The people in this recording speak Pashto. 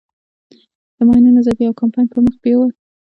د ماينونو ضد يو کمپاين پر مخ بېوه.